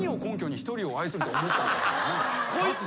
こいつ。